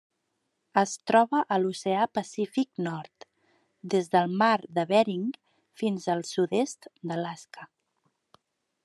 Es troba a l'Oceà Pacífic nord: des del Mar de Bering fins al sud-est d'Alaska.